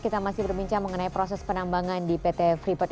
kita masih berbincang mengenai proses penambangan di pt freeport